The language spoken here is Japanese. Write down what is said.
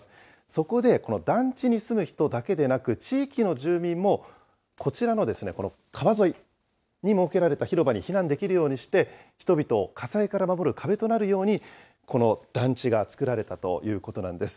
そこでこの団地に住む人だけでなく、地域の住民も、こちらの川沿いに設けられた広場に避難できるようにして、人々を火災から守る壁となるように、この団地が作られたということなんです。